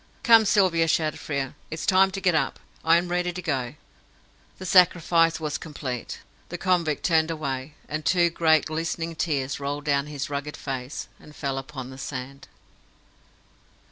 "Come, Sylvia!" shouted Frere. "It's time to get up. I am ready to go!" The sacrifice was complete. The convict turned away, and two great glistening tears rolled down his rugged face, and fell upon the sand.